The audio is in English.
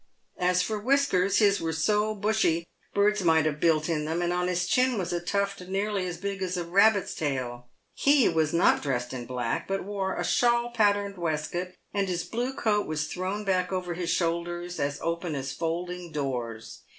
As for whiskers, his were so bushy birds might have built in them, and on his chin was a tuft nearly as big as a rabbit's tail. He was not dressed in black, but wore a shawl patterned waistcoat, and his blue coat was thrown back over his shoulders as open as folding doors.